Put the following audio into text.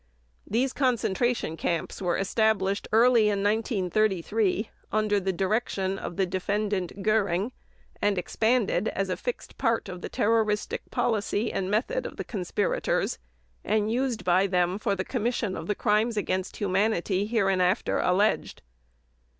These concentration camps were established early in 1933 under the direction of the Defendant GÖRING and expanded as a fixed part of the terroristic policy and method of the conspirators and used by them for the commission of the Crimes against Humanity hereinafter alleged.